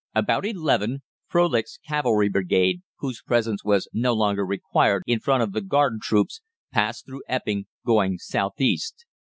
About eleven Frölich's Cavalry Brigade, whose presence was no longer required in front of the Garde Corps, passed through Epping, going south east.